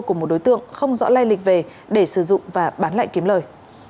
của một đối tượng không rõ lai lịch về để sử dụng và bán lại kiếm lời